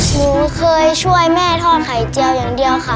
หนูเคยช่วยแม่ทอดไข่เจียวอย่างเดียวค่ะ